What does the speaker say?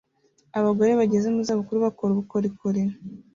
Abagore bageze mu zabukuru bakora ubukorikori